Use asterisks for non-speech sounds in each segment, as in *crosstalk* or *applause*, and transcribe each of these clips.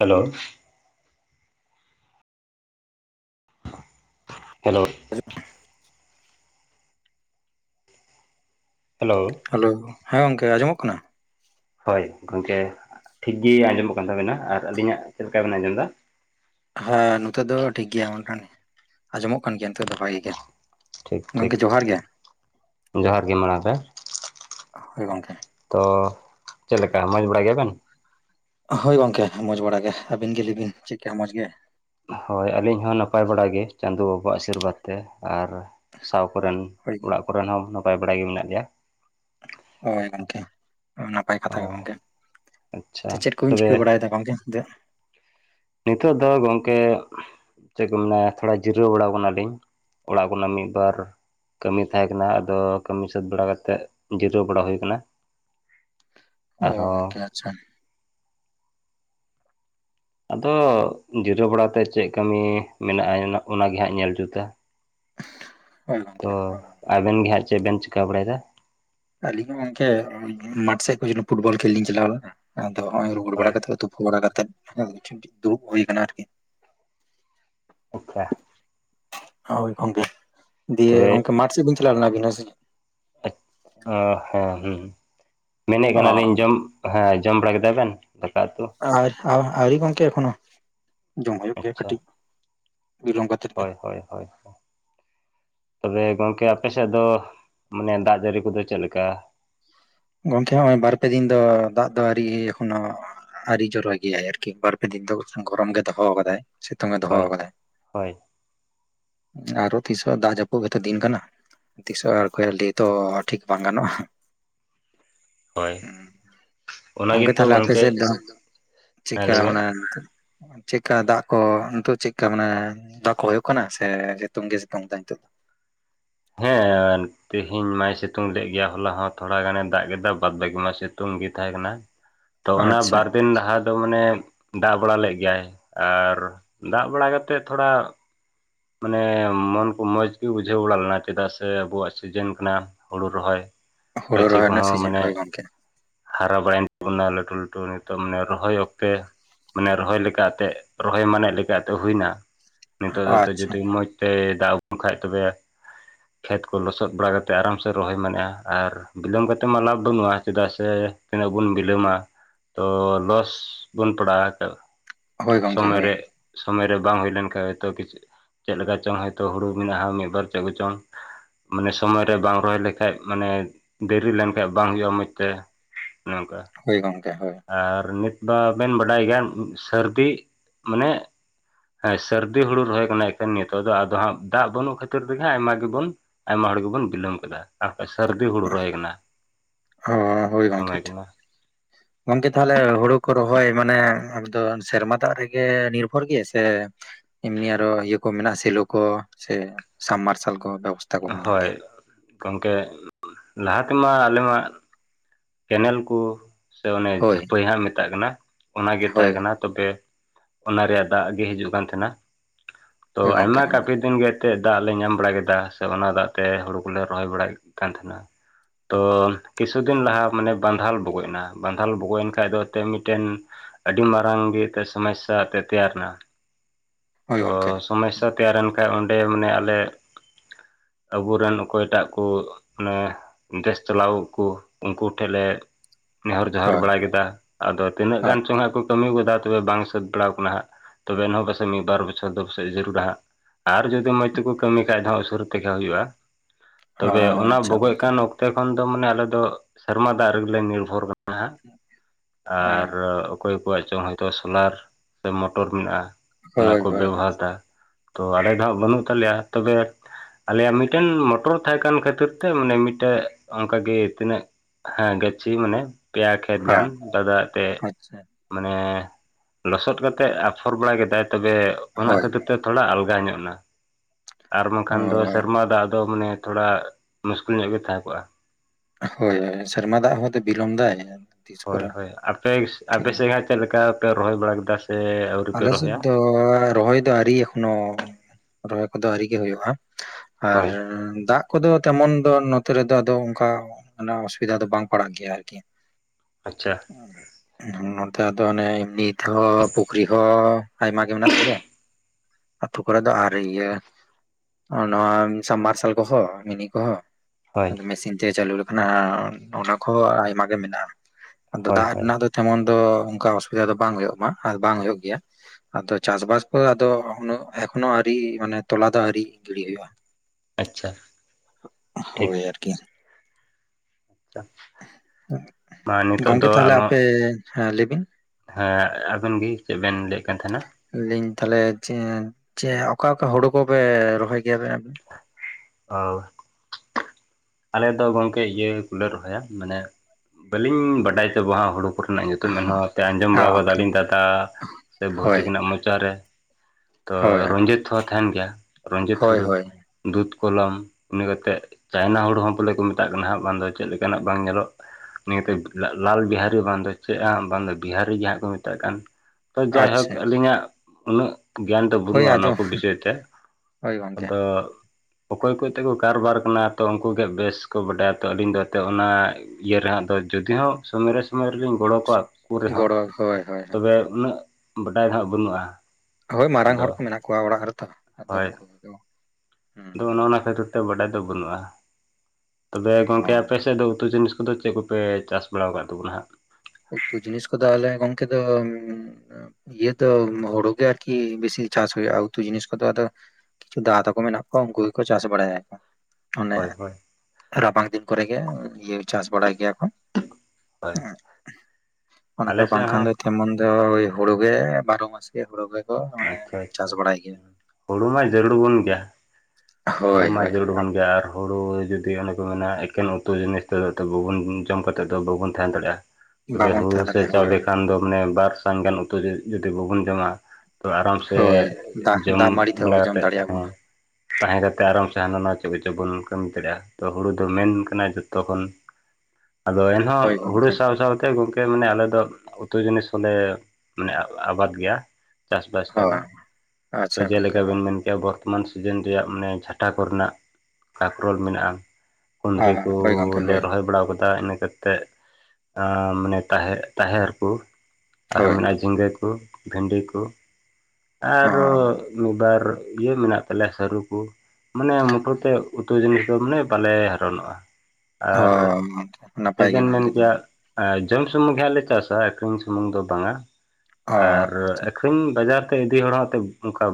Hello hello *unintelligible* hello hello ᱦᱮᱸ ᱜᱚᱝᱠᱮ ᱟᱸᱡᱚᱢᱚᱜ ᱠᱟᱱᱟ᱾ ᱦᱳᱭ ᱜᱚᱝᱠᱮ ᱴᱷᱤᱠ ᱜᱤ ᱟᱸᱡᱚᱢᱚᱜ ᱠᱟᱱ ᱛᱟᱵᱮᱱᱟ ᱟᱨ ᱟᱹᱞᱤᱧᱟᱜ ᱪᱮᱫ ᱞᱮᱠᱟ ᱵᱮᱱ ᱟᱸᱡᱚᱢ ᱫᱟ᱾ ᱦᱮᱸ ᱱᱤᱛᱚᱜ ᱫᱚ ᱴᱷᱤᱠ ᱜᱤᱭᱟ ᱢᱮᱱ ᱠᱷᱟᱱ ᱟᱸᱡᱚᱢᱚᱜ ᱠᱟᱱ ᱜᱮᱭᱟ ᱱᱤᱛᱚᱜ ᱫᱚ ᱵᱷᱟᱜᱤ ᱜᱮ᱾ ᱴᱷᱤᱠ ᱴᱷᱤᱠ ᱜᱚᱝᱠᱮ ᱡᱚᱦᱟᱨ ᱜᱮ ᱡᱚᱦᱟᱨ ᱜᱮ ᱦᱳᱭ ᱜᱚᱝᱠᱮ *unintelligible* ᱛᱚ, ᱪᱮᱫ ᱞᱮᱠᱟ ᱢᱚᱡᱽ ᱵᱟᱲᱟ ᱜᱮᱭᱟ ᱵᱮᱱ᱾ ᱦᱳᱭ ᱜᱚᱝᱠᱮ ᱢᱚᱡᱽ ᱵᱟᱲᱟ ᱜᱮ ᱟᱹᱵᱤᱱ ᱜᱮ ᱞᱤᱟᱹᱭ ᱵᱤᱱ ᱪᱤᱫᱠᱟ ᱢᱚᱡᱽ ᱜᱮ ᱦᱳᱭ ᱟᱹᱞᱤᱧ ᱦᱚᱸ ᱱᱟᱯᱟᱭ ᱵᱟᱲᱟ ᱜᱮ ᱪᱟᱸᱫᱚ ᱵᱟᱵᱟ‌ ᱟᱜ ᱟᱥᱤᱨᱵᱟᱫᱽ ᱛᱮ ᱟᱨ ᱥᱟᱶ ᱠᱚᱨᱮᱱ ᱦᱳᱭ ᱜᱚᱝ ᱚᱲᱟᱜ ᱠᱚᱨᱮᱱ ᱦᱚᱸ ᱱᱟᱯᱟᱭ ᱵᱟᱲᱟ ᱜᱮ ᱢᱮᱱᱟᱜ ᱞᱮᱭᱟ᱾ ᱦᱳᱭ ᱜᱚᱝᱠᱮ ᱱᱟᱯᱟᱭ ᱚ ᱠᱟᱛᱷᱟ ᱜᱮ ᱜᱚᱝᱠᱮ ᱟᱪᱪᱷᱟ ᱛᱚ ᱪᱮᱫ ᱠᱚᱢ ᱛᱚᱵᱮ ᱪᱤᱠᱟᱹ ᱵᱟᱲᱟᱭ ᱫᱟ *unintelligible* ᱱᱤᱛᱚᱜ ᱫᱚ ᱜᱚᱝᱠᱮ ᱪᱮᱫ ᱠᱚ ᱢᱮᱱᱟ ᱛᱷᱚᱲᱟ ᱡᱤᱨᱟᱹᱣ ᱵᱟᱲᱟᱣ ᱠᱟᱱᱟ ᱞᱤᱧ᱾ ᱚᱲᱟᱜ ᱠᱷᱚᱱᱟᱜ ᱢᱤᱫ ᱵᱟᱨ ᱠᱟᱹᱢᱤ ᱛᱟᱦᱮᱸ ᱠᱟᱱᱟ ᱟᱫᱚ ᱠᱟᱹᱢᱤ ᱥᱟᱹᱛ ᱵᱟᱲᱟ ᱠᱟᱛᱮᱜ ᱡᱤᱨᱟᱹᱣ ᱵᱟᱲᱟ ᱦᱩᱭ ᱠᱟᱱᱟ᱾ ᱚ ᱜᱚᱝᱠᱮ ᱟᱪᱪᱷᱟ ᱟᱫᱚ ᱡᱤᱨᱟᱹᱣ ᱵᱟᱲᱟᱛᱮ ᱪᱮᱜ ᱠᱟᱹᱢᱤ ᱢᱮᱱᱟᱜᱼᱟ ᱚᱱᱟ ᱜᱮ ᱦᱟᱸᱜ ᱧᱮᱞ ᱡᱩᱛᱟ᱾ ᱦᱳᱭ ᱛᱚ, ᱜᱚᱝᱠᱮ ᱚ᱾ ᱟᱵᱮᱱ ᱜᱮ ᱦᱟᱸᱜ ᱪᱮᱜ ᱵᱮᱱ ᱪᱤᱠᱟ ᱵᱟᱲᱟᱭ ᱫᱟ᱾ ᱟᱹᱞᱤᱧ ᱦᱚᱸ ᱜᱚᱝᱠᱮ ᱢᱟᱴᱷ ᱥᱮᱫ ᱯᱷᱩᱴᱵᱚᱞ ᱠᱷᱮᱞ ᱞᱤᱧ ᱪᱟᱞᱟᱣ ᱞᱮᱱᱟ᱾ ᱟᱫᱚ ᱦᱚᱸᱜ-ᱚᱭ ᱨᱩᱣᱟᱹᱲ ᱦᱳᱭ ᱵᱟᱲᱟ ᱠᱟᱛᱮᱜ ᱛᱩᱯᱩ ᱵᱟᱲᱟ ᱠᱟᱛᱮᱫ᱾ ᱦᱮᱸ *unintelligible* ᱫᱩᱲᱩᱵ ᱦᱩᱭ ᱠᱟᱱᱟ ᱟᱨᱠᱤ ᱟᱪᱪᱷᱟ ᱦᱳᱭ ᱜᱚᱝᱠᱮ ᱫᱤᱭᱮ ᱛᱚᱵᱮ ᱜᱚᱝᱠᱮ ᱢᱟᱴᱷ ᱥᱮᱫ ᱵᱤᱱ ᱪᱟᱞᱟᱣ ᱞᱮᱱᱟ ᱵᱤᱱ ᱦᱚᱸ ᱥᱮ ᱪᱮᱫ ᱚ ᱦᱚ ᱦᱩᱸ ᱢᱮᱱᱮᱫ ᱚ ᱠᱟᱱᱟᱞᱤᱧ ᱡᱚᱢ ᱦᱚᱸ ᱡᱚᱢ ᱵᱟᱲᱟ ᱠᱮᱫᱟ ᱵᱮᱱ ᱫᱟᱠᱟ ᱩᱛᱩ ᱟᱨ ᱟᱹᱣᱨᱤ ᱜᱚᱝᱠᱮ ᱮᱠᱷᱚᱱᱳ ᱡᱚᱢ ᱦᱩᱭᱩᱜ ᱜᱮᱭᱟ ᱟᱪᱪᱷᱟ ᱠᱟᱹᱴᱤᱡ ᱵᱤᱞᱚᱢ ᱠᱟ ᱦᱳᱭ ᱦᱳᱭ ᱦᱳᱭ ᱦᱳᱭ ᱛᱚᱵᱮ ᱜᱚᱝᱠᱮ ᱟᱯᱮᱥᱮᱫ ᱫᱚ ᱢᱟᱱᱮ ᱫᱟᱜ ᱡᱟᱹᱲᱤ ᱠᱚᱫᱚ ᱪᱮᱫ ᱞᱮᱠᱟ ᱜᱚᱝᱠᱮ ᱦᱚᱸᱜ-ᱚᱭ ᱵᱟᱨ ᱯᱮ ᱫᱤᱱ ᱫᱚ ᱫᱟᱜ ᱫᱚ ᱟᱹᱣᱨᱤ ᱮᱠᱷᱚᱱᱳ ᱟᱣᱨᱤ ᱡᱚᱨᱚᱭ ᱜᱮᱭᱟᱭ ᱟᱨᱠᱤ ᱵᱟᱨ ᱯᱮ ᱫᱤᱱ ᱫᱚ ᱜᱚᱨᱚᱢ ᱜᱮ ᱫᱚᱦᱚ ᱟᱠᱟᱫᱟᱭ ᱥᱤᱛᱩᱝᱮ ᱫᱚᱦᱚ ᱦᱳᱭ ᱠᱟᱫᱟᱭ ᱦᱳᱭ ᱟᱨᱚ ᱛᱤᱥᱚᱜ ᱫᱟᱜ ᱡᱟᱹᱯᱩᱫ ᱜᱮᱛᱚ ᱫᱤᱱ ᱠᱟᱱᱟ᱾ ᱛᱤᱥᱦᱚ ᱟᱨ ᱚᱠᱚᱭᱟᱜ ᱞᱟᱹᱭ ᱛᱚ ᱴᱷᱤᱠ ᱵᱟᱝ ᱜᱟᱱᱚᱜ-ᱟ ᱦᱳᱭ ᱦᱩᱸ ᱚᱱᱟ ᱜᱚᱝᱠᱮ ᱜᱮᱛᱚ ᱛᱟᱦᱞᱮ ᱟᱯᱮ ᱥᱮᱫ ᱫᱚ ᱦᱮᱸ ᱪᱮᱫᱠᱟ ᱞᱟᱹᱭ ᱵᱮᱱ ᱢᱟᱱᱮ ᱱᱤᱛᱳᱷ ᱪᱮᱫᱠᱟ ᱫᱟᱜ ᱠᱚ ᱱᱤᱛᱳᱜ ᱪᱮᱫᱠᱟ ᱢᱟᱱᱮ ᱫᱟᱜ ᱠᱚ ᱦᱩᱭᱩᱜ ᱠᱟᱱᱟ ᱥᱮ ᱥᱤᱛᱩᱝ ᱜᱮ ᱥᱤᱛᱩᱝ ᱫᱟᱭ ᱱᱤᱛᱚᱜ ᱫᱚ ᱦᱮᱸ ᱛᱮᱦᱮᱧ ᱢᱟᱭ ᱥᱤᱛᱩᱝ ᱞᱮᱫ ᱜᱮᱭᱟ ᱦᱚᱞᱟ ᱦᱚᱸ ᱛᱷᱚᱲᱟ ᱜᱟᱱᱮ ᱫᱟᱜ ᱠᱮᱫᱟ ᱵᱟᱫᱽ ᱵᱟᱠᱤ ᱢᱟᱭ ᱥᱤᱛᱩᱝ ᱜᱮ ᱛᱟᱦᱮᱸ ᱠᱟᱱᱟ ᱛᱚ ᱚᱱᱟ ᱟᱪᱪᱷᱟ ᱵᱟᱨ ᱫᱤᱱ ᱞᱟᱦᱟ ᱫᱚ ᱢᱟᱱᱮ ᱫᱟᱜ ᱵᱟᱲᱟ ᱞᱮᱫ ᱜᱮᱭᱟᱭ ᱟᱨ ᱫᱟᱜ ᱵᱟᱲᱟ ᱠᱟᱛᱮᱫ ᱛᱷᱚᱲᱟ ᱢᱟᱱᱮ ᱢᱚᱱ ᱠᱚ ᱢᱚᱸᱡᱽᱜᱤ ᱵᱩᱡᱷᱟᱹᱣ ᱵᱟᱲᱟ ᱞᱮᱱᱟ ᱪᱮᱫᱟᱜ ᱥᱮ ᱟᱵᱚᱣᱟᱜ ᱥᱤᱡᱮᱱ ᱠᱟᱱᱟ ᱦᱩᱲᱩ ᱨᱚᱦᱚᱭ ᱦᱳᱲᱳ ᱜᱟᱹᱪᱷᱤ ᱨᱚᱦᱚᱭ ᱨᱮᱱᱟᱜ ᱠᱚᱦᱚᱸ ᱥᱤᱡᱤᱱ ᱢᱟᱱᱮ ᱦᱳᱭ ᱜᱚᱝᱠᱮ ᱦᱟᱨᱟ ᱵᱟᱲᱟᱭᱮᱱ ᱛᱟᱵᱚᱱᱟ ᱞᱟᱹᱴᱩ ᱞᱟᱹᱴᱩ ᱱᱤᱛᱚᱜ ᱢᱟᱱᱮ ᱨᱚᱦᱚᱭ ᱚᱠᱛᱮ ᱢᱟᱱᱮ ᱨᱚᱦᱚᱭ ᱞᱮᱠᱟ ᱮᱱᱛᱮᱜ ᱨᱚᱦᱚᱭ ᱢᱟᱱᱮ ᱞᱮᱠᱟ ᱞᱮᱠᱟ ᱮᱱᱛᱮᱜ ᱦᱩᱭᱱᱟ ᱱᱤᱛᱚᱜ ᱫᱚ *unintelligible* ᱡᱩᱫᱤ ᱢᱚᱡᱽ ᱛᱮ ᱫᱟᱜ ᱟᱹᱜᱚᱱ ᱠᱷᱟᱡ ᱛᱚᱵᱮ ᱠᱷᱮᱛ ᱠᱚ ᱞᱚᱥᱚᱫ ᱵᱟᱲᱟᱛᱮᱫ ᱟᱨᱟᱢ ᱥᱮᱫ ᱨᱚᱦᱚᱭ ᱢᱟᱱᱮᱜ-ᱟ ᱟᱨ ᱵᱤᱞᱚᱢ ᱠᱟᱛᱮᱫ ᱢᱟ ᱞᱟᱵᱷ ᱵᱟᱹᱱᱩᱜ-ᱟ ᱪᱮᱫᱟᱜ ᱥᱮ ᱛᱤᱱᱟᱹᱜ ᱵᱚᱱ ᱵᱤᱞᱢᱟ ᱛᱚ ᱞᱚᱥ ᱵᱚᱱ ᱯᱟᱲᱟᱜ-ᱟ ᱟᱛᱮ ᱦᱳᱭ ᱜᱚᱝᱠᱮ ᱥᱚᱢᱚᱭ ᱦᱳᱭ ᱨᱮ ᱥᱚᱢᱚᱭ ᱨᱮ ᱵᱟᱝ ᱦᱩᱭ ᱞᱮᱱᱠᱷᱟᱡ ᱦᱚᱭᱛᱳ ᱠᱤᱪᱷᱩ ᱪᱮᱫ ᱞᱮᱠᱟ ᱪᱚᱝ ᱦᱚᱭᱛᱳ ᱦᱩᱲᱩ ᱢᱮᱱᱟᱜ-ᱟ ᱢᱤᱫᱵᱟᱨ ᱪᱟᱸᱜᱩ ᱪᱚᱝ ᱢᱟᱱᱮ ᱥᱚᱢᱚᱭ ᱨᱮ ᱵᱟᱝ ᱨᱚᱦᱚᱭ ᱞᱮᱠᱷᱟᱡ ᱢᱟᱱᱮ ᱫᱮᱨᱤ ᱞᱮᱱᱠᱷᱟᱡ ᱵᱟᱝ ᱦᱩᱭᱩᱜ-ᱟ ᱢᱚᱡᱽ ᱛᱮ ᱚᱱᱮᱚᱝᱠᱟ ᱦᱳᱭ ᱜᱚᱝᱠᱮ ᱦᱳᱭ ᱟᱨ ᱢᱤᱛ ᱵᱟᱨ ᱰᱮᱱ ᱵᱟᱰᱟᱭ ᱜᱮᱭᱟ ᱥᱟᱹᱨᱫᱤ ᱢᱟᱱᱮ ᱦᱮᱸ ᱥᱟᱹᱨᱫᱤ ᱦᱩᱲᱩ ᱨᱚᱦᱚᱭ ᱠᱟᱱᱟ ᱮᱱᱠᱷᱟᱱ ᱱᱤᱛᱚᱜ ᱫᱚ ᱟᱫᱚ ᱦᱟᱸᱜ ᱫᱟᱜ ᱵᱟᱹᱱᱩᱜ ᱠᱷᱟᱹᱛᱤᱨ ᱛᱮᱜᱮ ᱟᱭᱢᱟ ᱜᱮᱵᱚᱱ ᱟᱭᱢᱟ ᱦᱚᱲ ᱜᱮᱵᱚᱱ ᱵᱤᱞᱚᱢ ᱟᱠᱟᱫᱟ ᱟᱨ ᱵᱟᱠᱷᱟᱡ ᱥᱟᱹᱨᱫᱤ ᱦᱩᱲᱩ ᱨᱚᱦᱚᱭ ᱠᱟᱱᱟ ᱦᱳᱭ ᱜᱚᱝᱠᱮ ᱥᱚᱢᱚᱭ ᱴᱷᱤᱠ ᱠᱟᱱᱟ ᱜᱚᱝᱠᱮ ᱛᱟᱦᱚᱞᱮ ᱦᱩᱲᱩ ᱠᱚ ᱨᱚᱦᱚᱭ ᱢᱟᱱᱮ ᱮᱠᱫᱚᱢ ᱥᱮᱨᱢᱟ ᱫᱟᱜ ᱨᱮᱜᱮ ᱱᱤᱨᱵᱷᱚᱨ ᱜᱮᱭᱟ ᱥᱮ ᱮᱢᱱᱤ ᱟᱨᱚ ᱤᱭᱟᱹ ᱠᱚ ᱢᱮᱱᱟᱜ-ᱟ ᱥᱮᱞᱚ ᱠᱚ ᱥᱮ ᱥᱟᱵᱢᱟᱨᱥᱟᱞ ᱠᱚ ᱵᱮᱵᱚᱥᱛᱟ ᱦᱳᱭ ᱜᱚᱝᱠᱮ ᱞᱟᱦᱟ ᱛᱮᱢᱟ ᱟᱞᱮ ᱢᱟ ᱠᱮᱱᱮᱞ ᱠᱚ ᱥᱮ ᱚᱱᱮ ᱦᱳᱭ ᱡᱟᱹᱯᱟᱹᱭ ᱦᱟᱸᱜ ᱢᱮᱛᱟᱜ ᱠᱟᱱᱟ ᱚᱱᱟᱜᱮ ᱦᱳᱭ ᱛᱟᱦᱮᱸ ᱠᱟᱱᱟ ᱛᱚᱵᱮ ᱚᱱᱟ ᱨᱮᱭᱟᱜ ᱫᱟᱜ ᱜᱮ ᱦᱤᱡᱩᱜ ᱠᱟᱱ ᱛᱟᱦᱮᱱᱟ ᱛᱚ ᱦᱳᱭ ᱜᱚᱝᱠᱮ ᱟᱭᱢᱟ ᱦᱳᱭ ᱠᱟᱹᱯᱤ ᱫᱤᱱ ᱜᱮ ᱮᱛᱮ ᱫᱟᱜ ᱞᱮ ᱧᱟᱢ ᱵᱟᱲᱟ ᱠᱮᱫᱟ ᱥᱮ ᱚᱱᱟ ᱫᱟᱜ ᱛᱮ ᱦᱩᱲᱩ ᱠᱚᱞᱮ ᱨᱚᱦᱚᱭ ᱵᱟᱲᱟᱭᱮᱫ ᱠᱟᱱ ᱛᱟᱦᱮᱸᱱᱟ ᱛᱚ ᱠᱤᱪᱷᱩ ᱫᱤᱱ ᱞᱟᱦᱟ ᱢᱟᱱᱮ ᱵᱟᱸᱫᱷᱟᱞ ᱵᱚᱜᱚᱡᱱᱟ ᱵᱟᱸᱫᱷᱟᱞ ᱵᱚᱜᱚᱡ-ᱮᱱ ᱠᱷᱟᱡ ᱫᱚ ᱛᱮ ᱢᱤᱫᱴᱮᱱ ᱟᱹᱰᱤ ᱢᱟᱨᱟᱝ ᱜᱮ ᱥᱚᱢᱚᱥᱥᱟ ᱛᱮ ᱛᱮᱭᱟᱨ ᱮᱱᱟ ᱦᱳᱭ ᱛᱚ ᱜᱚᱝᱠᱮ ᱥᱚᱢᱚᱥᱟ ᱛᱮᱭᱟᱨᱮᱱ ᱠᱷᱟᱡ ᱚᱸᱰᱮ ᱢᱟᱱᱮ ᱟᱞᱮ ᱟᱵᱚᱨᱮᱱ ᱚᱠᱚᱭᱴᱟᱜ ᱠᱚ ᱢᱟᱱᱮ ᱫᱮᱥ ᱪᱟᱞᱟᱣᱮᱫ ᱠᱚ ᱩᱱᱠᱩ ᱛᱮᱞᱮ ᱱᱮᱦᱚᱨ ᱡᱚᱦᱟᱨ ᱦᱳᱭ ᱵᱟᱲᱟ ᱠᱮᱫᱟ ᱟᱫᱚ ᱛᱤᱱᱟᱹᱜ ᱟᱪ ᱜᱟᱱ ᱪᱚᱝ ᱦᱟᱸᱜ ᱠᱚ ᱠᱟᱹᱢᱤ ᱜᱚᱫᱟ ᱛᱚᱵᱮ ᱵᱟᱝ ᱥᱟᱹᱛ ᱵᱟᱲᱟ ᱟᱠᱟᱱᱟ ᱦᱟᱸᱜ ᱛᱚᱵᱮ ᱮᱱᱦᱚᱸ ᱯᱟᱥᱮ ᱢᱤᱫ ᱵᱟᱨ ᱵᱚᱪᱷᱚᱨ ᱫᱚ ᱯᱟᱥᱮᱡ ᱡᱟᱹᱨᱩᱲᱟ ᱦᱟᱸᱜ ᱟᱨ ᱡᱩᱫᱤ ᱢᱚᱡᱽ ᱛᱮᱠᱚ ᱠᱟᱹᱢᱤ ᱠᱷᱟᱡ ᱫᱚ ᱩᱥᱟᱹᱨᱟ ᱛᱮᱜᱮ ᱦᱩᱭᱩᱜᱼᱟ ᱛᱚᱵᱮ ᱚᱱᱟ ᱟᱪᱪᱷᱟ ᱵᱚᱜᱼᱚᱡ ᱜᱚᱝᱠᱮ ᱠᱟᱱ ᱚᱠ ᱛᱚ ᱠᱷᱚᱱ ᱫᱚ ᱢᱟᱱᱮ ᱟᱞᱮ ᱫᱚ ᱥᱮᱨᱢᱟ ᱫᱟᱜ ᱨᱮᱜᱮᱞᱮ ᱱᱤᱨᱵᱷᱚᱨ ᱠᱟᱱᱟ ᱦᱟᱸ ᱟᱨ ᱚᱸ ᱚᱠᱚᱭ ᱠᱚᱣᱟᱜ ᱪᱚᱝ ᱦᱚᱭᱛᱳ ᱥᱳᱞᱟᱨ ᱥᱮ ᱢᱚᱴᱚᱨ ᱢᱮᱱᱟᱜᱼᱟ ᱚᱱᱟ ᱦᱳᱭ ᱠᱚ ᱦᱳᱭ ᱦᱮᱸ ᱵᱮᱵᱚᱦᱟᱨᱫᱟ ᱛᱚ ᱟᱲᱮ ᱫᱚᱦᱟᱜ ᱵᱟᱹᱱᱩᱜ ᱛᱟᱞᱮᱭᱟ ᱛᱚᱵᱮ ᱟᱞᱮᱭᱟᱜ ᱢᱤᱫᱴᱮᱱ ᱢᱚᱴᱚᱨ ᱛᱟᱦᱮᱸ ᱠᱟᱱ ᱠᱷᱟᱹᱛᱤᱨ ᱛᱮ ᱢᱟᱱᱮ ᱢᱤᱫᱴᱮᱱ ᱚᱱᱠᱟᱜᱼᱮ ᱛᱤᱱᱟᱹᱜ ᱦᱮᱸ ᱜᱟᱹᱪᱷᱤ ᱢᱟᱱᱮ ᱯᱮᱭᱟ ᱠᱷᱮᱛ ᱜᱟᱱ ᱫᱟᱫᱟ ᱮᱱᱛ ᱟᱪᱪᱷᱟ ᱢᱟᱱᱮ ᱞᱚᱥᱚᱫ ᱠᱟᱛᱮᱜ ᱟᱯᱷᱚᱨ ᱵᱟᱲᱟ ᱠᱮᱫᱟᱭ ᱛᱚᱵᱮ ᱚᱱᱟ ᱦᱳᱭ ᱠᱷᱟᱹᱛᱤᱨ ᱛᱮ ᱛᱷᱚᱲᱟ ᱟᱞᱜᱼᱟ ᱧᱚᱜ ᱮᱱᱟ ᱟᱨ ᱚ ᱵᱟᱝᱠᱷᱟᱱ ᱫᱚ ᱥᱮᱨᱢᱟ ᱫᱟᱜ ᱫᱚ ᱢᱟᱱᱮ ᱛᱷᱚᱲᱟ ᱢᱩᱥᱠᱤᱞ ᱧᱚᱜ ᱜᱮ ᱛᱟᱦᱮᱸ ᱠᱚᱜᱼᱟ ᱦᱳᱭ ᱦᱳᱭ ᱥᱮᱨᱢᱟ ᱫᱟᱜ ᱦᱚᱸᱛᱚ ᱵᱤᱞᱚᱢᱫᱟᱭ ᱦᱳᱭ ᱦᱳᱭ ᱟᱯᱮ ᱟᱯᱮᱥᱮᱫ ᱦᱟᱸᱜ ᱪᱮᱫ ᱞᱮᱠᱟ ᱯᱮ ᱨᱚᱦᱚᱭ ᱵᱟᱲᱟ ᱠᱮᱫᱟ ᱥᱮ ᱟᱹᱣᱨᱤ ᱯᱮ ᱟᱞᱮᱥᱮᱫ ᱨᱚᱦᱚᱭᱟ ᱫᱚ ᱨᱚᱦᱚᱭ ᱫᱚ ᱟᱨᱤᱭᱟ ᱠᱱᱳ ᱨᱚᱦᱚᱭ ᱠᱚᱫᱚ ᱟᱹᱣᱨᱤᱜᱮ ᱦᱩᱭᱩᱜᱼᱟ ᱟᱨ ᱦᱳᱭ ᱫᱟᱜ ᱠᱚᱫᱚ ᱛᱮᱢᱚᱱ ᱫᱚ ᱱᱚᱛᱮ ᱨᱮᱫᱚ ᱟᱫᱚ ᱚᱱᱠᱟ ᱚᱥᱩᱵᱤᱫᱟ ᱫᱚ ᱵᱟᱝ ᱯᱟᱲᱟᱜ ᱜᱮᱭᱟ ᱟᱨᱠᱤ ᱟᱪᱪᱷᱟ *unintelligible* ᱯᱩᱠᱷᱨᱤ ᱦᱚᱸ ᱟᱭᱢᱟ ᱜᱮ ᱢᱮᱱᱟᱜ ᱛᱟᱞᱮᱭᱟ᱾ ᱟᱹᱛᱩ ᱠᱚᱨᱮ ᱫᱚ ᱟᱨ ᱤᱭᱟᱹ ᱱᱚᱶᱟ ᱥᱟᱢ ᱢᱟᱨᱥᱟᱞ ᱠᱚᱦᱚᱸ ᱢᱤᱱᱤ ᱠᱚᱦᱚᱸ ᱦᱳᱭ ᱟᱫᱚ ᱢᱮᱥᱤᱱ ᱛᱮ ᱪᱟᱹᱞᱩ ᱞᱮᱠᱷᱟᱱ ᱚᱱᱟ ᱠᱚᱦᱚᱸ ᱟᱭᱢᱟ ᱜᱮ ᱢᱮᱱᱟᱜᱼᱟ ᱟᱫᱚ ᱦᱳᱭ ᱫᱟᱜ ᱦᱳᱭ ᱨᱮᱱᱟᱜ ᱫᱚ ᱛᱮᱢᱚᱱ ᱫᱚ ᱚᱱᱠᱟ ᱚᱥᱩᱵᱤᱫᱷᱟ ᱫᱚ ᱵᱟᱝ ᱦᱳᱭᱳᱜ ᱢᱟ ᱟᱨ ᱵᱟᱝ ᱦᱳᱭᱳᱜ ᱜᱮᱭᱟ ᱟᱫᱚ ᱪᱟᱥ ᱵᱟᱥ ᱠᱚ ᱟᱫᱚ ᱮᱠᱷᱚᱱᱚ ᱟᱣᱨᱤ ᱢᱟᱱᱮ ᱛᱚᱞᱟ ᱫᱚ ᱟᱣᱨᱤ ᱜᱤᱲᱤ ᱦᱩᱭᱩᱜᱭᱼᱟ ᱟᱪᱪᱷᱟ ᱴᱷᱤᱠ ᱦᱳᱭ ᱟᱨᱠᱤ ᱢᱟ ᱱᱤᱛᱚᱜ ᱜᱚᱝᱠᱮ ᱫᱚ ᱛᱟᱦᱞᱮ ᱟᱞᱚ ᱟᱯᱮ ᱦᱮᱸ ᱞᱟᱹᱭ ᱵᱤᱱ ᱦᱮᱸ ᱟᱵᱮᱱ ᱜᱤ ᱪᱮᱫ ᱵᱮᱱ ᱞᱟᱹᱭᱮᱫ ᱠᱟᱱ ᱛᱟᱦᱮᱱᱟ ᱞᱮᱤᱧ ᱛᱟᱦᱚᱞᱮ ᱪᱮ ᱪᱮ ᱚᱠᱟ ᱚᱠᱟ ᱦᱩᱲᱩ ᱠᱚᱯᱮ ᱨᱚᱦᱚᱭ ᱜᱮᱭᱟ ᱵᱤᱱ? *unintelligible* ᱟᱞᱮᱫᱚ ᱜᱚᱝᱠᱮ ᱤᱭᱟᱹ ᱠᱚᱞᱮ ᱨᱚᱦᱚᱭᱟ ᱢᱟᱱᱮ ᱵᱟᱹᱞᱤᱧ ᱵᱟᱰᱟᱭ ᱪᱟ ᱵᱟ ᱦᱩᱲᱩ ᱠᱚᱨᱮᱱᱟᱜ ᱧᱩᱛᱩᱢ ᱮᱱᱦᱚ ᱟᱸᱡᱚᱢ ᱵᱟᱲᱟ ᱠᱟᱫᱟ ᱚᱠᱮ ᱟᱹᱞᱤᱧ ᱫᱟᱫᱟ ᱥᱮ ᱵᱟᱷᱩ ᱦᱳᱭ ᱛᱤᱠᱤᱱᱟᱜ ᱢᱚᱪᱟᱨᱮ, ᱛᱚ ᱦᱳᱭ ᱨᱚᱧᱡᱤᱛ ᱦᱚᱸ ᱛᱟᱦᱮᱱ ᱜᱮᱭᱟ ᱨᱚᱧᱡᱤᱛ ᱦᱳᱭ ᱦᱩᱲᱩ᱾ ᱦᱳᱭ ᱫᱩᱛ ᱠᱚᱞᱚᱢ ᱤᱱᱟᱹ ᱠᱟᱛᱮᱫ ᱪᱟᱭᱱᱟ ᱦᱩᱲᱩ ᱦᱚᱸ ᱯᱟᱞᱮ ᱠᱚ ᱢᱮᱛᱟᱜ ᱠᱟᱱᱟᱜ ᱵᱟᱝ ᱫᱚ ᱪᱮᱫ ᱞᱮᱠᱟᱱᱟᱜ ᱵᱟᱝ ᱧᱮᱞᱚᱜ ᱱᱤᱭᱟᱹᱛᱮ ᱞᱟᱞ ᱵᱤᱦᱟᱨᱤ ᱵᱟᱝᱫᱚ ᱪᱮᱫᱼᱟ ᱵᱟᱝᱫᱚ ᱵᱤᱦᱟᱨᱤ ᱜᱮ ᱦᱟᱜ ᱠᱚ ᱢᱮᱛᱟᱜ ᱠᱟᱱ, ᱛᱚ ᱡᱟᱭᱦᱳᱠ ᱟᱪᱪᱷᱟ ᱟᱹᱞᱤᱧᱟᱜ ᱩᱱᱟᱹᱜ ᱜᱮᱭᱟᱱ ᱫᱚ ᱦᱳᱭ ᱵᱟᱹᱱᱩᱜᱼᱟ ᱚᱱᱟ ᱟᱸᱡᱚᱢ ᱠᱚ ᱵᱤᱥᱚᱭ ᱛᱮ, ᱦᱳᱭ ᱜᱚᱝᱠᱮ ᱟᱫᱚ ᱚᱠᱚᱭ ᱠᱚ ᱛᱮᱠᱚ ᱠᱟᱨᱵᱟᱨ ᱠᱟᱱᱟ ᱛᱚ ᱩᱱᱠᱩ ᱜᱮ ᱵᱮᱥ ᱠᱚ ᱵᱟᱰᱟᱭᱟ ᱛᱚ ᱟᱹᱞᱤᱧ ᱫᱚ ᱮᱱᱛᱮᱫ ᱚᱱᱟ ᱤᱭᱟᱹ ᱨᱮᱦᱟᱸᱜ ᱫᱚ ᱡᱩᱫᱤ ᱦᱚᱸ ᱥᱚᱢᱚᱭ ᱨᱮ ᱥᱚᱢᱚᱭ ᱨᱮᱞᱤᱧ ᱜᱚᱲᱚ ᱠᱟᱜ ᱠᱚ ᱨᱮᱦᱚᱸ ᱜᱚᱲᱚ ᱦᱳᱭ ᱦᱳᱭ ᱛᱚᱵᱮ ᱩᱱᱟᱹᱜ ᱵᱟᱰᱟᱭ ᱫᱚᱦᱟᱸᱜ ᱵᱟᱹᱱᱩᱜᱼᱟ᱾ ᱦᱳᱭ ᱢᱟᱨᱟᱝ ᱟᱫᱚ ᱦᱚᱲ ᱠᱚ ᱢᱮᱱᱟᱜ ᱠᱚᱣᱟ ᱚᱲᱟᱜ ᱨᱮᱛᱚ ᱟᱫᱚ ᱦᱳᱭ ᱩᱱᱠᱩ ᱠᱚ ᱛᱚ ᱵᱟᱰᱟᱭ ᱫᱚ ᱵᱟᱹᱱᱩᱜᱼᱟ᱾ ᱛᱚᱵᱮ ᱚ ᱜᱚᱝᱠᱮ ᱟᱯᱮ ᱥᱮᱫ ᱫᱚ ᱩᱛᱩ ᱡᱤᱱᱤᱥ ᱠᱚᱫᱚ ᱪᱮᱫ ᱠᱚᱯᱮ ᱪᱟᱥ ᱵᱟᱲ ᱟᱠᱟᱫ ᱛᱟᱵᱚᱱᱟ ᱦᱟᱸᱜ? ᱩᱛᱩ ᱡᱤᱱᱤᱥ ᱠᱚᱫᱚ ᱟᱞᱮ ᱜᱚᱝᱠᱮ ᱫᱚ, ᱤᱭᱟᱹ ᱫᱚ ᱦᱲᱩ ᱜᱮ ᱟᱨᱠᱤ ᱵᱮᱥᱤ ᱪᱟᱥ ᱦᱩᱭᱩᱜᱼᱟ ᱩᱛᱩ ᱡᱤᱱᱤᱥ ᱠᱚᱫᱚ ᱟᱫᱚ, ᱠᱤᱪᱷᱩ ᱫᱟᱫᱟᱛᱟᱠᱚ ᱢᱮᱱᱟᱜ ᱠᱚᱣᱟ ᱩᱱᱠᱩ ᱜᱮᱠᱚ ᱪᱟᱥ ᱵᱟᱲᱟᱭᱟ᱾ ᱚᱱᱮ ᱦᱳᱭ ᱦᱳᱭ ᱨᱟᱵᱟᱝ ᱫᱤᱱ ᱠᱚᱨᱮ ᱜᱮ ᱤᱭᱟᱹ ᱪᱟᱥ ᱵᱟᱲᱟᱭ ᱜᱮᱭᱟ ᱠᱚ᱾ ᱦᱳᱭ ᱚᱱᱠᱟ ᱟᱞᱮ ᱥᱮᱫ ᱵᱟᱝᱠᱷᱟᱱ ᱦᱚᱸ ᱫᱚ ᱛᱮᱢᱚᱱ ᱫᱚ ᱳᱭ ᱦᱩᱲᱩ ᱜᱮ ᱵᱟᱨᱚᱢᱟᱥ ᱟᱪᱪᱷᱟ ᱟᱪᱪᱷᱟ ᱦᱩᱲᱩ ᱢᱟ ᱡᱟᱹᱨᱩᱲ ᱵᱚᱱ ᱜᱮᱭᱟ᱾ ᱦᱩᱲᱩ ᱦᱳᱭ ᱢᱟ ᱦᱳᱭ ᱡᱟᱹᱨᱩᱲ ᱵᱚᱱ ᱜᱮ ᱟᱨ ᱦᱩᱲᱳ ᱡᱩᱫᱤ ᱚᱱᱮᱠᱚ ᱢᱮᱱᱟ ᱮᱠᱮᱱ ᱩᱛᱩ ᱡᱤᱱᱤᱥ ᱛᱮᱫᱚ ᱵᱟᱵᱚᱱ ᱡᱚᱢ ᱠᱟᱛᱮᱫ ᱫᱚ ᱵᱟᱵᱚᱱ ᱛᱟᱦᱮᱸᱱ ᱫᱟᱲᱮᱭᱟᱜᱼᱟ᱾ ᱛᱚᱵᱮ ᱵᱟᱵᱚᱱ ᱦᱩᱲᱩ ᱛᱟᱦᱮᱸ ᱥᱮ ᱫᱟᱲᱮᱭᱟᱜᱼᱟ ᱦᱳᱭ ᱪᱟᱣᱞᱮ ᱠᱷᱟᱱ ᱫᱚ ᱢᱟᱱᱮ ᱵᱟᱨ ᱥᱟᱝ ᱜᱟᱱ ᱩᱛᱩ ᱡᱩᱚᱫᱤ ᱵᱟᱵᱚᱱ ᱡᱚᱢᱟ, ᱛᱚ ᱟᱨᱟᱢ ᱥᱮ ᱦᱳᱭ ᱫᱟᱜ ᱡᱚᱢ ᱫᱟᱜ ᱢᱟᱹᱲᱤ ᱵᱟᱲᱟ ᱛᱮᱦᱚᱸ ᱡᱚᱢ ᱠᱟᱛᱮᱫ ᱫᱟᱲᱮᱭᱟᱜᱼᱟ ᱵᱚᱱ ᱦᱚᱸ ᱛᱟᱦᱮᱸ ᱠᱟᱛᱮ ᱟᱨᱟᱢ ᱥᱮ ᱦᱟᱱ ᱱᱟ *unintelligible* ᱵᱚᱱ ᱠᱟᱹᱢᱤ ᱫᱟᱲᱮᱜᱼᱟ ᱛᱚ ᱦᱩᱲᱩ ᱫᱚ ᱢᱮᱱ ᱠᱟᱱᱟ ᱡᱚᱛᱚ ᱠᱷᱚᱱ ᱟᱫᱚ ᱮᱱ ᱦᱚᱸ ᱦᱳᱭ ᱦᱩᱲᱩ ᱜᱚᱢᱠᱮ ᱥᱟᱶ ᱥᱟᱶ ᱛᱮ ᱜᱚᱝᱠᱮ ᱢᱟᱱᱮ ᱟᱞᱮ ᱫᱚ ᱩᱛᱩ ᱡᱤᱱᱤᱥ ᱦᱚᱸᱞᱮ ᱢᱟᱱᱮ ᱟᱵᱟᱫ ᱜᱮᱭᱟ᱾ ᱪᱟᱥᱵᱟᱥ ᱜᱮᱭᱟᱞᱮ ᱦᱳᱭ ᱛᱚ ᱟᱪᱪᱷᱟ ᱜᱚᱢᱠᱮ ᱡᱮᱞᱮᱠᱟ ᱵᱮᱱ ᱢᱮᱱ ᱵᱚᱨᱛᱚᱢᱟᱱ ᱥᱤᱡᱤᱱ ᱨᱮᱭᱟᱜ ᱢᱟᱱᱮ ᱡᱷᱟᱴᱟ ᱠᱚᱨᱮ ᱱᱟᱜ ᱠᱟᱠᱨᱚᱞ ᱢᱮᱱᱟᱜᱼᱟ᱾ ᱠᱩᱸᱫᱽᱨᱤ ᱦᱳᱭ ᱜᱚᱢᱠᱮ ᱠᱚᱻᱞᱮ ᱦᱳᱭ ᱨᱚᱦᱚᱭ ᱵᱟᱲᱟᱣ ᱠᱟᱫᱟ ᱤᱱᱟᱹ ᱠᱟᱹ ᱛᱮᱜ ᱟᱻ ᱢᱟᱱᱮ ᱛᱟᱦᱮᱸ ᱛᱟᱦᱮᱸ ᱠᱩ ᱟᱨᱦᱚᱸ ᱦᱳᱭ ᱢᱮᱱᱟᱜᱼᱟ ᱡᱷᱤᱸᱜᱟᱹ ᱠᱩ᱾ ᱵᱷᱮᱱᱰᱤ ᱠᱚ ᱚ ᱟᱨᱚ ᱢᱤᱫ ᱵᱟᱨ ᱤᱭᱟᱹ ᱢᱮᱱᱟᱜ ᱛᱟᱞᱮᱭᱟ ᱥᱟᱹᱨᱩ ᱠᱩ᱾ ᱢᱟᱱᱮ *unintelligible* ᱛᱮ ᱩᱛᱩ ᱡᱤᱱᱤᱥ ᱫᱚ ᱢᱟᱱᱮ ᱵᱟᱞᱮ ᱦᱚᱨᱚᱱᱚᱜᱼᱟ᱾ ᱚ ᱟᱨ ᱱᱟᱯᱟᱭ ᱜᱮ ᱪᱮᱫᱵᱮᱱ ᱢᱮᱱ ᱜᱚᱢᱠᱮ ᱠᱮᱭᱟ? ᱛᱟᱦᱚᱞᱮ ᱟ ᱡᱚᱢ ᱥᱩᱢᱩᱝ ᱜᱮ ᱦᱟᱜ ᱞᱮ ᱪᱟᱥᱟ, ᱟᱹᱠᱷᱨᱤᱧ ᱥᱩᱢᱩᱝ ᱫᱚ ᱵᱟᱝ-ᱟ᱾ ᱚ ᱟᱨ ᱟᱪᱪᱷᱟ ᱟᱹᱠᱷᱨᱤᱧ ᱵᱟᱡᱟᱨ ᱛᱮ ᱤᱫᱤ ᱦᱚᱲ ᱦᱚᱸ ᱛᱮ ᱚᱱᱠᱟ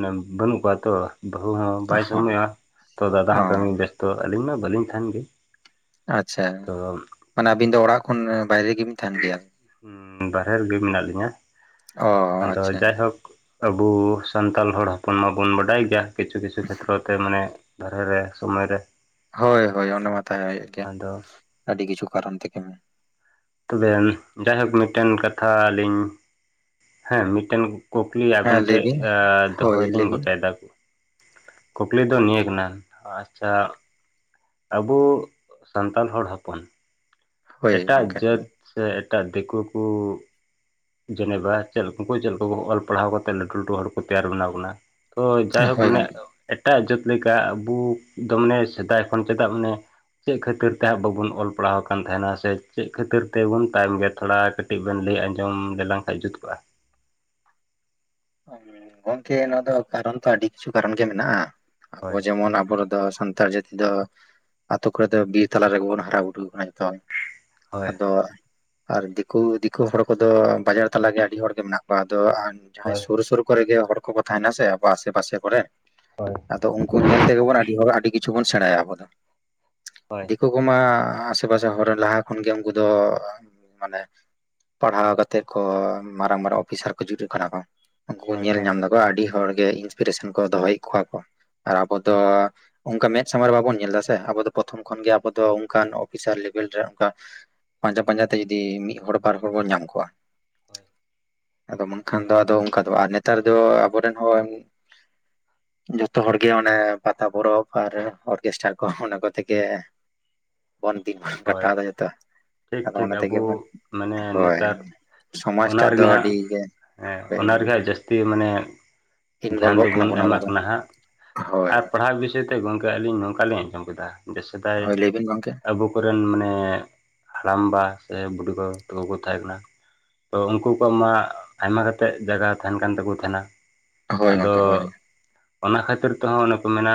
ᱢᱟᱱᱮ ᱵᱟᱹᱱᱩᱜ ᱠᱚᱣᱟ ᱛᱚ, ᱵᱟᱹᱦᱩ ᱦᱚᱸ ᱵᱟᱭ ᱥᱚᱢᱚᱭᱚᱜᱼᱟ, ᱛᱚ ᱫᱟᱫᱟ ᱚ ᱦᱚᱸ ᱠᱟᱹᱢᱤ ᱵᱮᱥᱛᱚ ᱟᱹᱞᱤᱧ ᱢᱟ ᱵᱟᱹᱞᱤᱧ ᱛᱟᱦᱮᱸᱱ ᱜᱮ᱾ ᱟᱪᱪᱷᱟ ᱛᱚ ᱢᱟᱱᱮ ᱟᱵᱤᱱ ᱫᱚ ᱚᱲᱟᱜ ᱠᱷᱚᱱ ᱵᱟᱭᱨᱮ ᱜᱮᱵᱤᱱ ᱛᱟᱦᱮᱸᱱ ᱜᱮᱭᱟ? ᱦᱩᱻ ᱵᱟᱦᱮᱨ ᱨᱮᱜᱮ ᱢᱮᱱᱟᱜ ᱞᱤᱧᱟ᱾ ᱚ ᱟᱫᱚ ᱟᱪᱪᱷᱟ ᱡᱟᱭᱦᱳᱠ ᱟᱵᱚ ᱥᱟᱱᱛᱟᱞ ᱦᱚᱲ ᱦᱚᱯᱚᱱ ᱢᱟᱵᱚᱱ ᱵᱟᱰᱟᱭ ᱜᱮᱭᱟ? ᱠᱤᱪᱷᱩ ᱠᱤᱪᱷᱩ ᱠᱷᱮᱛᱨᱚ ᱛᱮ ᱢᱟᱱᱮ ᱵᱟᱦᱨᱮ ᱨᱮ ᱥᱚᱢᱚᱭ ᱨᱮ, ᱦᱳᱭ ᱦᱳᱭ ᱚᱸᱰᱮ ᱢᱟ ᱛᱟᱦᱮᱸ ᱦᱩᱭᱩᱜ ᱜᱮᱭᱟ ᱟᱫᱚ ᱟᱹᱰᱤ ᱠᱤᱪᱷᱩ ᱠᱟᱨᱚᱱ ᱛᱮᱜᱮ ᱢᱮ ᱛᱚᱵᱮ ᱡᱟᱭᱦᱳᱠ ᱢᱤᱫᱴᱮᱱ ᱠᱟᱛᱷᱟ ᱞᱤᱧ ᱦᱮᱸ ᱢᱤᱫᱴᱮᱱ ᱠᱩᱠᱞᱤ ᱦᱮᱸ ᱟᱵᱮᱱ ᱞᱟᱹᱭ ᱴᱷᱮᱜ ᱵᱤᱱ ᱮᱻ ᱦᱳᱭ ᱫᱚᱦᱚᱭ ᱞᱟᱹᱭ ᱞᱤᱧ ᱵᱤᱱ ᱜᱚᱴᱟᱭ ᱫᱟ᱾ ᱠᱩᱠᱞᱤ ᱫᱚ ᱱᱤᱭᱟᱹ ᱠᱟᱱᱟ ᱟᱪᱪᱷᱟ ᱟᱵᱩ ᱥᱟᱱᱛᱟᱞ ᱦᱚᱲ ᱦᱚᱯᱚᱱ, ᱦᱳᱭ ᱮᱴᱟᱜ ᱜᱚᱝᱠᱮ ᱡᱟᱹᱛ ᱥᱮ ᱮᱴᱟᱜ ᱫᱤᱠᱩ ᱠᱚ ᱡᱮᱱᱮᱵᱟ ᱪᱮᱫ ᱩᱝᱠᱩ ᱪᱮᱫ ᱞᱮᱠᱟ ᱠᱚ ᱚᱞ ᱯᱟᱲᱦᱟᱣ ᱠᱟᱛᱮᱫ ᱞᱟᱹᱴᱩ ᱞᱟᱹᱴᱩ ᱦᱚᱲ ᱠᱚ ᱛᱮᱭᱟᱨ ᱵᱮᱱᱟᱣ ᱠᱟᱱᱟ ᱛᱚ ᱡᱟᱭᱦᱳᱠ ᱦᱳᱭ ᱢᱟᱱᱮ ᱜᱚᱝᱠᱮ ᱮᱴᱟᱜ ᱡᱟᱹᱛ ᱞᱮᱠᱟ ᱟᱵᱩ ᱫᱚ ᱢᱟᱱᱮ ᱥᱮᱫᱟᱭ ᱠᱷᱚᱱ ᱪᱮᱫᱟᱜ ᱢᱟᱱᱮ ᱪᱮᱜ ᱠᱷᱟᱹᱛᱤᱨ ᱛᱮ ᱦᱟᱸᱜ ᱵᱟᱵᱚᱱ ᱚᱞ ᱯᱟᱲᱦᱟᱣ ᱠᱟᱱ ᱛᱟᱦᱮᱸᱱᱟ ᱥᱮ ᱪᱮᱜ ᱠᱷᱟᱹᱛᱤᱨ ᱛᱮᱵᱚᱱ ᱛᱟᱭᱚᱢ ᱜᱮᱭᱟ ᱛᱷᱚᱲᱟ ᱠᱟᱹ ᱠᱟᱹᱴᱤᱡ ᱵᱮᱱ ᱞᱟᱹᱭ ᱟᱸᱡᱚᱢ ᱞᱮᱞᱟᱝ ᱠᱷᱟᱡ ᱡᱩᱛ ᱠᱚᱜᱼᱟ ᱾ ᱜᱚᱝᱠᱮ ᱱᱚᱣᱟ ᱫᱚ ᱠᱟᱨᱚᱱ ᱛᱚ ᱟᱹᱰᱤ ᱠᱤᱪᱷᱩ ᱠᱟᱨᱚᱱ ᱜᱮ ᱢᱮᱱᱟᱜᱼᱟ ᱾ ᱟᱵᱚ ᱦᱳᱭ ᱡᱮᱢᱚᱱ ᱟᱵᱚ ᱨᱮᱫᱚ ᱥᱟᱱᱛᱟᱲ ᱡᱟᱹᱛ ᱛᱤ ᱫᱚ ᱟᱛᱳ ᱠᱚᱨᱮ ᱫᱚ ᱵᱤᱨ ᱛᱟᱞᱟ ᱨᱮᱜᱮ ᱵᱚᱱ ᱦᱟᱨᱟ ᱵᱩᱨᱩ ᱠᱟᱱᱟ ᱡᱚᱛᱚ, ᱦᱳᱭ ᱟᱫᱚ ᱟᱨ ᱫᱤᱠᱩ ᱫᱤᱠᱩ ᱦᱚᱲ ᱠᱚᱫᱚ ᱵᱟᱡᱟᱨ ᱛᱟᱞᱮ ᱟᱹᱰᱤ ᱦᱚᱲ ᱜᱮ ᱢᱮᱱᱟᱜ ᱠᱚᱣᱟ ᱟᱫᱚ ᱡᱟᱦᱟᱸᱭ ᱦᱳᱭ ᱥᱩᱨ ᱥᱩᱨ ᱠᱚᱨᱮ ᱜᱮ ᱦᱚᱲ ᱠᱚᱠᱚ ᱛᱟᱦᱮᱸᱱᱟ ᱥᱮ ᱟᱵᱚ ᱟᱥᱮ ᱯᱟᱥᱮ ᱠᱚᱨᱮ, ᱦᱳᱭ ᱟᱫᱚ ᱩᱝᱠᱩ ᱧᱮᱞ ᱛᱮᱜᱮ ᱵᱚᱱ ᱟᱹᱰᱤ ᱦᱚᱲ ᱟᱹᱰᱤ ᱠᱤᱪᱷᱩ ᱵᱚᱱ ᱥᱮᱬᱟᱭᱟ ᱟᱵᱚ ᱫᱚ ᱦᱳᱭ ᱾ ᱫᱤ ᱠᱩ ᱠᱚᱢᱟᱻ ᱟᱥᱮ ᱯᱟᱥᱮ ᱦᱚᱨ ᱨᱮᱱ ᱞᱟᱦᱟ ᱠᱷᱚᱱ ᱜᱮ ᱩᱱᱠᱩ ᱫᱚ ᱢᱟᱱᱮ ᱯᱟᱲᱦᱟᱣ ᱠᱟᱛᱮ ᱠᱚ ᱢᱟᱨᱟᱝ ᱢᱟᱨᱟᱝ ᱚᱯᱷᱤᱥᱟᱨ ᱠᱚ ᱡᱩᱫᱚᱜ ᱠᱟᱱᱟ ᱠᱚ ᱾ ᱩᱱᱠᱩ ᱠᱚ ᱦᱳᱭ ᱧᱮᱞ ᱧᱟᱢ ᱦᱳᱭ ᱫᱟᱠᱚ ᱟᱹᱰᱤ ᱦᱚᱲ ᱜᱮ ᱤᱱᱥᱯᱤᱨᱮᱥᱚᱱ ᱠᱚ ᱫᱚᱦᱚᱭᱮᱜ ᱠᱚᱣᱟ ᱠᱚ ᱟᱨ ᱟᱵᱚ ᱫᱚ ᱚᱝᱠᱟ ᱢᱮᱸᱫ ᱥᱟᱢᱟᱝ ᱨᱮ ᱵᱟᱵᱚᱱ ᱧᱮᱞ ᱫᱟ ᱥᱮ ᱟᱵᱚ ᱫᱚ ᱯᱨᱚᱛᱷᱚᱢ ᱠᱷᱚᱱ ᱜᱮ ᱟᱵᱚᱫᱚ ᱚᱱᱠᱟᱱ ᱚᱯᱷᱤᱥᱟᱨ ᱞᱮᱵᱮᱞ ᱨᱮ ᱚᱱᱠᱟ, ᱯᱟᱸᱡᱟ ᱯᱟᱸᱡᱟ ᱛᱮ ᱡᱩᱫᱤ ᱢᱤᱜ ᱦᱚᱲ ᱵᱟᱨ ᱦᱚᱲ ᱵᱚᱱ ᱧᱟᱢ ᱠᱚᱣᱟ ᱾ ᱟᱫᱚ ᱵᱟᱝᱠᱷᱟᱱ ᱫᱚ ᱟᱫᱚ ᱚᱝᱠᱟ ᱫᱚ ᱟᱨ ᱱᱮᱛᱟᱨ ᱫᱚ ᱟᱵᱚᱨᱮᱱ ᱦᱚᱸ ᱡᱷᱚᱛᱚ ᱦᱚᱲ ᱜᱮ ᱚᱱᱮ ᱯᱟᱛᱟ ᱯᱚᱨᱚᱵᱽ ᱟᱨ ᱚᱨᱠᱮᱥᱴᱟᱨ ᱠᱚ ᱚᱱᱟ ᱠᱚᱛᱮ ᱜᱮ *inaudible* ᱵᱚᱱ ᱫᱤᱱ ᱦᱳᱭ ᱠᱟᱴᱟᱣ ᱫᱟ ᱡᱚᱛᱚ ᱴᱷᱤᱠ ᱟᱫᱚ ᱴᱷᱤᱠ ᱚᱱᱟ ᱛᱮᱜᱮ ᱟᱵᱚ ᱵᱚᱱ, ᱢᱟᱱᱮ ᱦᱳᱭ ᱱᱮᱛᱟᱨ ᱾ ᱥᱚᱢᱟᱡ ᱚᱱᱟ ᱴᱟᱜ ᱫᱚ ᱨᱮᱜᱮ ᱦᱟᱸᱜ ᱟᱹᱰᱤ ᱜᱮ ᱦᱮᱸ ᱦᱳᱭ ᱚᱱᱟ ᱨᱮᱱᱟᱜ ᱡᱟᱹᱥᱛᱤ ᱢᱟᱱᱮ ᱫᱷᱮᱭᱟᱱ ᱤᱱᱵᱚᱞᱵᱚᱜ ᱠᱟᱱᱟ ᱫᱚᱵᱚᱱ ᱵᱚᱱ ᱟᱵᱚ ᱮᱢᱟᱜ ᱫᱚ ᱠᱟᱱᱟ ᱦᱟᱸᱜ ᱟᱨ ᱦᱳᱭ, ᱯᱟᱲᱦᱟᱜ ᱵᱤ ᱥᱚᱭ ᱛᱮ ᱜᱚᱝᱠᱮ ᱟᱹᱞᱤᱧ ᱱᱚᱝᱠᱟᱞᱤᱧ ᱟᱸᱡᱚᱢ ᱠᱮᱫᱟ ᱡᱮ ᱥᱮᱫᱟᱭ ᱦᱳᱭ ᱞᱟᱹᱭ ᱵᱤᱱ ᱜᱚᱝᱠᱮ? ᱟᱵᱚ ᱠᱚᱨᱮᱱ ᱢᱟᱱᱮ ᱦᱟᱲᱟᱢᱵᱟ ᱥᱮ ᱵᱩᱰᱤ ᱜᱚ ᱛᱟᱠᱚ ᱠᱚ ᱛᱟᱦᱮᱸ ᱠᱟᱱᱟ ᱾ ᱛᱚ ᱩᱝᱠᱩ ᱠᱚᱣᱟᱜ ᱢᱟ ᱟᱭᱢᱟ ᱠᱟᱛᱮᱜ ᱡᱟᱜᱟ ᱛᱟᱦᱮᱱ ᱠᱟᱱ ᱛᱟᱠᱚ ᱛᱷᱮᱱᱟ ᱾ ᱦᱳᱭ ᱟᱫᱚ ᱜᱚᱝᱠᱮ ᱦᱳᱭ, ᱚᱱᱟ ᱠᱷᱟᱹᱛᱤᱨ ᱛᱮᱦᱚᱸ ᱚᱱᱮ ᱠᱚ ᱢᱮᱱᱟ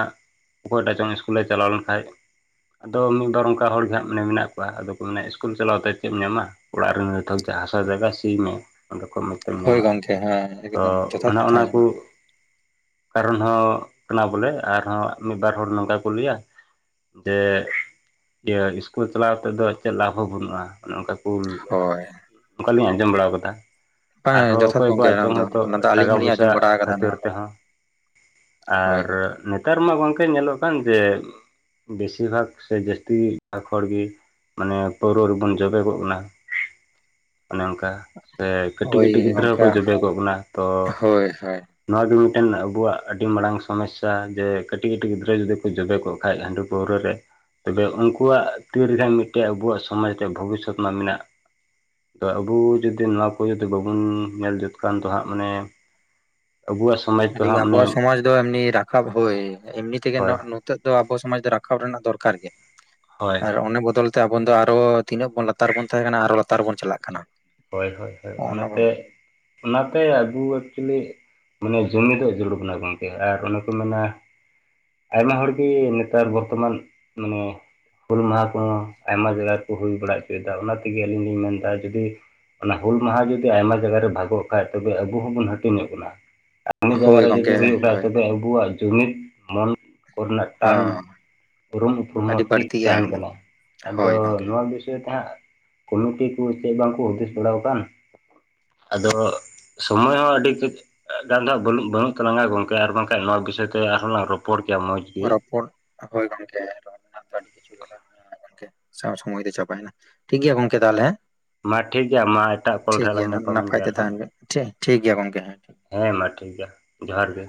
ᱚᱠᱚᱭᱴᱟᱜ ᱪᱚᱝ ᱤᱥᱠᱩᱞᱮ ᱪᱟᱞᱟᱣ ᱞᱮᱱᱠᱟᱡ, ᱟᱫᱚ ᱢᱤᱜ ᱵᱟᱨ ᱚᱱᱠᱟ ᱦᱚᱲ ᱜᱮ ᱦᱟᱸᱜ ᱢᱟᱱᱮ ᱢᱮᱱᱟᱜ ᱠᱚᱣᱟ ᱟᱫᱚ ᱠᱚ ᱢᱮᱱᱟ ᱤᱥᱠᱩᱞ ᱪᱟᱞᱟᱣᱛᱮ ᱪᱮᱫ ᱮᱢ ᱧᱟᱢᱟ ᱾ ᱚᱲᱟᱜ ᱨᱮᱱ ᱱᱤᱛᱚᱠ ᱡᱟᱦᱟᱸ ᱦᱟᱥᱟ ᱡᱟᱭᱜᱟ ᱥᱤ ᱢᱮ ᱾ ᱚᱸᱰᱮ ᱠᱚ ᱢᱚᱡᱽ ᱛᱮᱢ ᱦᱳᱭ ᱧᱟᱢᱟ ᱜᱚᱝᱠᱮ ᱦᱮᱸ ᱛᱚ ᱮᱠᱫᱚᱢ ᱡᱚᱛᱷᱟᱛ ᱚᱱᱮ ᱠᱟᱛᱷᱟ ᱚᱱᱟ ᱟᱸᱡᱚᱢ ᱠᱩ ᱠᱟᱨᱚᱱ ᱦᱚᱸ ᱠᱟᱱᱟ ᱵᱚᱞᱮ ᱟᱨᱦᱚᱸ ᱢᱤᱫ ᱵᱟᱨ ᱦᱚᱲ ᱱᱚᱝᱠᱟ ᱠᱚ ᱞᱟᱹᱭᱟ ᱾ ᱡᱮ ᱤᱭᱟᱹ ᱤᱥᱠᱩᱞ ᱪᱟᱞᱟᱣ ᱟᱛᱮᱫᱚ ᱪᱮᱜ ᱞᱟᱵ ᱦᱚᱸ ᱵᱟᱹᱱᱩᱜᱼᱟ ᱚᱱᱮ ᱚᱱᱠᱟ ᱩᱞ ᱦᱳᱭ ᱚᱱᱠᱟᱞᱤᱧ ᱟᱸᱡᱚᱢ ᱵᱟᱲᱟ ᱠᱟᱫᱟ ᱾ ᱵᱟᱝ ᱟᱨᱦᱚᱸ ᱡᱚᱛᱷᱟᱛ ᱚᱠᱚᱭ ᱜᱚᱝᱠᱮ ᱠᱚᱣᱟᱜ ᱚᱱᱟ ᱪᱚᱝ ᱫᱚ ᱦᱚᱭᱛᱳ ᱚᱱᱟ ᱫᱚ ᱟᱹᱞᱤᱧ ᱴᱟᱠᱟ ᱦᱚᱞᱤᱧ ᱯᱚᱭᱥᱟ ᱟᱸᱡᱚᱢ ᱵᱟᱲᱟ ᱠᱟᱫᱟ ᱠᱷᱟᱹᱛᱤᱨ ᱱᱚᱣᱟ ᱠᱚᱫᱚ ᱛᱮᱦᱚᱸ ᱾ ᱦᱳᱭ ᱟᱨ ᱜᱚᱝᱠᱮ ᱱᱮᱛᱟᱨ ᱢᱟ ᱜᱚᱝᱠᱮ ᱧᱮᱞᱚᱜ ᱠᱟᱱ ᱡᱮ ᱵᱮᱥᱤᱨ ᱵᱷᱟᱜᱽ ᱥᱮ ᱡᱟᱹᱥᱛᱤ *unintelligible* ᱦᱚᱲ ᱜᱤ ᱢᱟᱱᱮ ᱯᱟᱹᱣᱨᱟᱹ ᱨᱮᱵᱚᱱ ᱡᱚᱵᱮ ᱠᱚᱜ ᱠᱟᱱᱟ ᱚᱱᱮ ᱚᱝ ᱠᱟ ᱥᱮ ᱠᱟᱹᱴᱤᱡ ᱦᱳᱭ ᱠᱟᱹᱴᱤᱡ ᱜᱤᱫᱽᱨᱟᱹ ᱜᱚᱝᱠᱮ ᱦᱚᱸᱠᱚ ᱡᱚᱵᱮ ᱠᱚᱜ ᱵᱚᱱᱟ ᱛᱚ ᱦᱳᱭ ᱦᱳᱭ ᱱᱚᱣᱟ ᱜᱮ ᱢᱤᱫᱴᱮᱱ ᱟᱵᱚᱣᱟᱜ ᱟᱹᱰᱤ ᱢᱟᱨᱟᱝ ᱥᱚᱢᱚᱥᱥᱟ ᱡᱮ ᱠᱟᱹᱴᱤᱡ ᱠᱟᱹᱴᱤᱡ ᱜᱤᱫᱽᱨᱟᱹ ᱡᱩᱫᱤ ᱠᱚ ᱡᱚᱵᱮ ᱠᱚᱜ ᱠᱷᱟᱡ ᱦᱟᱺᱰᱤ ᱯᱟᱹᱣᱨᱟᱹ ᱨᱮ ᱛᱚᱵᱮ ᱩᱱᱠᱩᱣᱟᱜ ᱛᱤ ᱨᱮᱜ ᱢᱤᱫᱴᱮᱱ ᱟᱵᱚᱣᱟᱜ ᱥᱚᱢᱟᱡᱽ ᱨᱮᱭᱟᱜ ᱵᱷᱚᱵᱤᱥᱚᱛ ᱢᱟ ᱢᱮᱱᱟᱜ ᱾ ᱩ ᱡᱩᱫᱤ ᱱᱚᱣᱟ ᱠᱚ ᱡᱩᱫᱤ ᱵᱟᱵᱚᱱ ᱧᱮᱞ ᱡᱩᱛ ᱠᱷᱟᱱ ᱫᱚ ᱦᱟᱸᱜ ᱢᱟᱱᱮ ᱟᱵᱚᱣᱟᱥ ᱟᱹᱰᱤ ᱟᱵᱚᱣᱟᱜ ᱥᱚᱢᱟᱡᱽ ᱫᱚ ᱮᱢᱱᱤ ᱨᱟᱠᱟᱵ ᱦᱳᱭ ᱮᱢᱱᱤ ᱛᱮᱜᱮ ᱦᱳᱭ ᱱᱤᱛᱚᱜ ᱫᱚ ᱟᱵᱚ ᱥᱚᱢᱟᱡᱽ ᱫᱚ ᱨᱟᱠᱟᱵ ᱨᱮᱱᱟᱜ ᱫᱚᱨᱠᱟᱨ ᱜᱮ ᱦᱳᱭ ᱟᱨ ᱚᱱᱮ ᱵᱚᱫᱚᱞ ᱛᱟᱵᱚᱱ ᱫᱚ ᱟᱨᱚ ᱛᱤᱱᱟᱹᱜ ᱵᱚᱱ ᱞᱟᱛᱟᱨ ᱵᱚᱱ ᱛᱟᱦᱮᱸ ᱠᱟᱱᱟ ᱟᱨᱦᱚ ᱞᱟᱛᱟᱨ ᱵᱚᱱ ᱪᱟᱞᱟᱜ ᱠᱟᱱᱟ ᱾ ᱦᱳᱭ ᱦᱳᱭ ᱦᱳᱭ ᱚᱱᱟᱛᱮ ᱚᱱᱟᱛᱮ ᱟᱹᱜᱩ ᱮᱠᱪᱚᱮᱞᱤ ᱢᱟᱱᱮ ᱡᱚᱢᱤᱫ ᱡᱟᱹᱨᱩᱠᱟᱱᱟ ᱜᱚᱝᱠᱮ ᱟᱨ ᱚᱱᱮ ᱠᱚ ᱢᱮᱱᱟ ᱟᱭᱢᱟ ᱦᱚᱲᱜᱤ ᱱᱮᱛᱟᱨ ᱵᱚᱨᱛᱚᱢᱟᱱ ᱢᱟᱱᱮ ᱦᱩᱞ ᱢᱟᱦᱟ ᱠᱚᱦᱚᱸ ᱟᱭᱢᱟ ᱡᱟᱭᱜᱟ ᱠᱩ ᱦᱩᱭ ᱵᱟᱲᱟ ᱪᱮᱫᱟ ᱚᱱᱟ ᱛᱮᱜᱤ ᱟᱹᱞᱤᱧ ᱞᱤᱧ ᱢᱮᱱᱫᱟ ᱡᱩᱫᱤ ᱚᱱᱟ ᱦᱩᱞ ᱢᱟᱦᱟ ᱡᱩᱫᱤ ᱟᱭᱢᱟ ᱡᱟᱭᱜᱟ ᱨᱮ ᱵᱷᱟᱜᱚᱜ ᱠᱷᱟᱡ ᱛᱚᱵᱮ ᱟᱵᱚ ᱦᱚᱸᱵᱚᱱ ᱦᱟᱹᱴᱤᱧᱚᱜ ᱠᱟᱱᱟ ᱾ ᱠᱟᱹ ᱢᱤ ᱡᱟᱭᱜᱟ ᱦᱳᱭ ᱨᱮ ᱡᱩᱫᱤ ᱜᱚᱝᱠᱮ ᱦᱩᱭᱩᱜ ᱠᱷᱟᱡ ᱦᱳᱭ ᱛᱚᱵᱮ ᱟᱵᱚᱣᱟᱜ ᱡᱩᱢᱤᱫ ᱢᱚᱱ ᱠᱚ ᱨᱮᱱᱟᱜ ᱴᱟᱱ ᱦᱚᱸ ᱩᱨᱩᱢ ᱩᱯᱨᱩᱢ ᱦᱚᱸ ᱟᱹᱰᱤ ᱴᱷᱤᱠ ᱵᱟᱹᱲᱛᱤ ᱜᱮ ᱛᱟᱦᱮᱱ ᱟᱠᱟᱱᱟ ᱠᱟᱱᱟ ᱟᱫᱚ ᱦᱳᱭ ᱜᱚᱝᱠᱮ ᱱᱚᱣᱟ ᱵᱤᱥᱚᱭ ᱛᱮ ᱦᱟᱸᱜ ᱠᱩᱢᱤᱴᱤ ᱠᱚ ᱪᱮᱜ ᱵᱟᱝᱠᱩ ᱦᱩᱫᱤᱥ ᱵᱟᱲᱟ ᱠᱟᱱ ᱟᱫᱚ ᱥᱚᱢᱚᱭ ᱦᱚᱸ ᱟᱹᱰᱤ *unintelligible* ᱵᱟᱹᱱᱩᱜ ᱵᱟᱹᱱᱩᱜ ᱛᱟᱞᱟᱝᱼᱟ ᱜᱚᱝᱠᱮ ᱟᱨ ᱵᱟᱝᱠᱷᱟᱱ ᱱᱚᱣᱟ ᱵᱤᱥᱚᱭ ᱛᱮ ᱟᱨᱦᱚᱸᱞᱟᱝ ᱨᱚᱯᱚᱲ ᱯᱚᱲ ᱜᱮᱭᱟ ᱢᱚᱡᱽ ᱨᱚᱯᱚᱲ ᱦᱳᱭ ᱜᱚᱝᱠᱮ ᱨᱚᱲ ᱨᱮᱱᱟᱜ ᱫᱚ ᱟᱹᱰᱤ ᱠᱤᱪᱷᱩ ᱢᱮᱱᱟᱜ ᱜᱮᱭᱟ ᱾ ᱦᱚᱸ ᱜᱚᱝᱠᱮ ᱥᱟᱣ ᱥᱚᱢᱚᱭ ᱛᱮ ᱪᱟᱯᱟᱭᱱᱟ ᱴᱷᱤᱠ ᱜᱮᱭᱟ ᱜᱚᱢᱠᱮ ᱛᱟᱦᱚᱞᱮ ᱦᱮᱸ ᱾ ᱢᱟ ᱴᱷᱤᱠ ᱜᱮᱭᱟ ᱢᱟ ᱮᱴᱟᱜ ᱠᱚᱞ ᱴᱷᱤᱠ ᱨᱮ ᱜᱮᱭᱟ ᱞᱟᱝ ᱱᱟᱱ ᱧᱟᱯᱟᱢᱮᱱ ᱜᱮ ᱱᱟᱯᱟᱭ ᱛᱮ ᱟᱨᱦᱚᱸ ᱛᱟᱦᱮᱱ ᱵᱮᱱ ᱴᱷᱤᱠ ᱜᱮᱭᱟ ᱜᱚᱝᱠᱮ ᱦᱮᱸ ᱾ ᱦᱮᱸ ᱢᱟ ᱴᱷᱤᱠ ᱜᱮᱭᱟ ᱡᱚᱦᱟᱨ ᱜᱮ